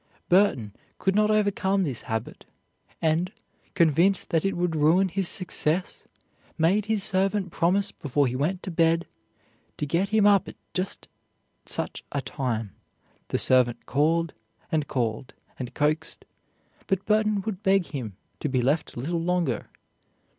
Burton could not overcome this habit, and, convinced that it would ruin his success, made his servant promise before he went to bed to get him up at just such a time; the servant called, and called, and coaxed; but Burton would beg him to be left a little longer.